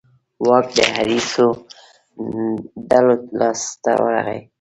واک د حریصو ډلو لاس ته ورغی.